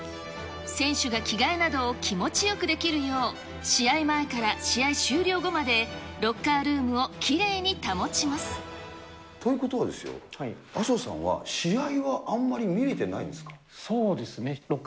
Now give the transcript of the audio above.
選手が着替えなどを気持ちよくできるよう、試合前から試合終了後まで、ロッカールームということはですよ、麻生さんは、試合はあんまり見れてないんですか？